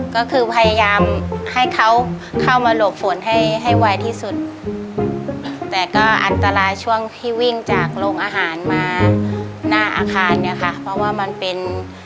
ก็คือพยายามให้เขาเข้ามาหลบฝนให้ให้ไวที่สุดแต่ก็อันตรายช่วงที่วิ่งจากโรงอาหารมาหน้าอาคารเนี่ยค่ะเพราะว่ามันเป็น